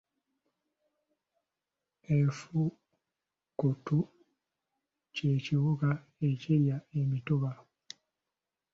Effukutu kye kiwuka ekirya emituba.